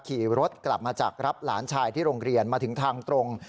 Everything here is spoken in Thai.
ขี่รถกลับมาจากรับหลานชายที่โรงเรียนมาถึงทางตรง